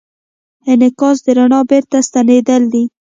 انعکاس د رڼا بېرته ستنېدل دي.